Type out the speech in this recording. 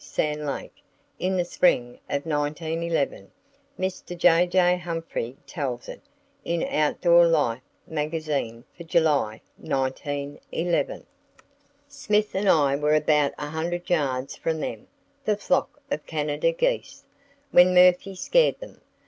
(Sand Lake), in the spring of 1911. Mr. J.J. Humphrey tells it, in Outdoor Life magazine for July, 1911. "Smith and I were about a hundred yards from them [the flock of Canada geese], when Murphy scared them.